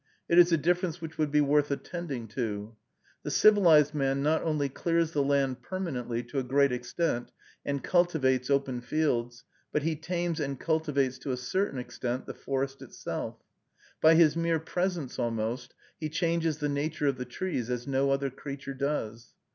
It is a difference which would be worth attending to. The civilized man not only clears the land permanently to a great extent, and cultivates open fields, but he tames and cultivates to a certain extent the forest itself. By his mere presence, almost, he changes the nature of the trees as no other creature does.